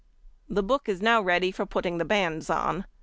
The book is now ready for putting the bands on.